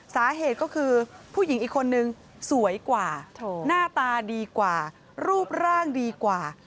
สาเหตุก็คือผู้หญิงอีกคนนึงสวยกว่าหน้าตาดีกว่ารูปร่างดีกว่า